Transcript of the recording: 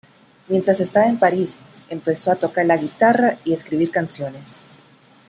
Mientras estaba en París, empezó a tocar la guitarra y escribir canciones.